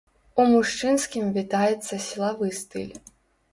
У мужчынскім вітаецца сілавы стыль.